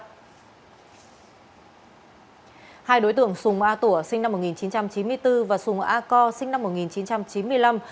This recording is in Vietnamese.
hai đối tượng sùng a tủa sinh năm một nghìn chín trăm chín mươi bốn và sùng a co sinh năm một nghìn chín trăm chín mươi năm